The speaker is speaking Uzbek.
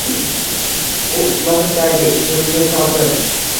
U uchmoq istaydi, ichim-chi, tordir